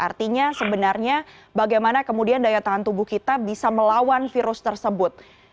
artinya sebenarnya bagaimana kemudian daya tahan tubuh kita bisa melawan virus tersebut